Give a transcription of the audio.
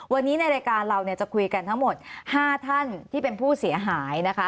วันนี้ในรายการเราจะคุยกันทั้งหมด๕ท่านที่เป็นผู้เสียหายนะคะ